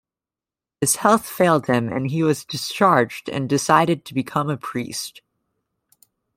His health failed him and he was discharged and decided to become a priest.